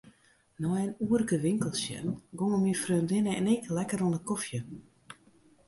Nei in oerke winkels sjen gongen myn freondinne en ik lekker oan 'e kofje.